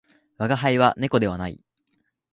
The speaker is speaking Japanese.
我が輩は猫ではない